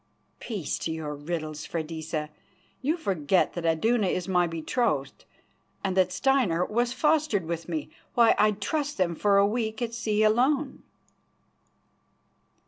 "Peace to your riddles, Freydisa. You forget that Iduna is my betrothed and that Steinar was fostered with me. Why, I'd trust them for a week at sea alone."